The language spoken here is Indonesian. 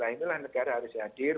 inilah negara harus hadir